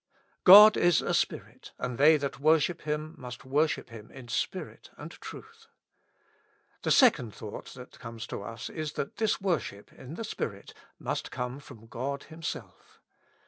" God is a Spirit ; and they that worship Him must worship Him in spirit and truth." The second thought that comes to us is that this worship in the spirit must come from God himself.